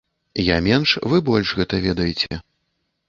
Я менш, вы больш гэта ведаеце.